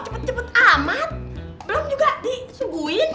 belum juga disuguhin